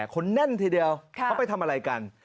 คนแน่นทีเดียวเขาไปทำอะไรกัน